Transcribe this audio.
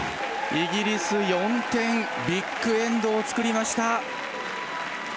イギリス、４点、ビッグエンドを作りました。